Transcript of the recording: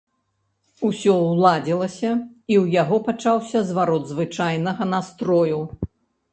Усё ўладзілася, і ў яго пачаўся зварот звычайнага настрою.